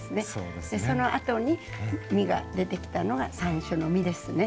でそのあとに実が出てきたのが山椒の実ですね。